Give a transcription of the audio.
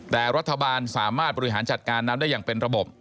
แต่รัฐบาลสามารถบริหารจัดการน้ำได้อย่างเป็นระบบ